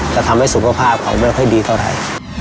จะทำให้สุขภาพเขาไม่ค่อยดีเท่าไหร่